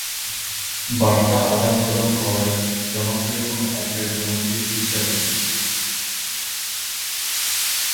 বার্তা আদান-প্রদান করার জনপ্রিয় কোন অ্যাপ এর জনপ্রিয় ফিচার এটি?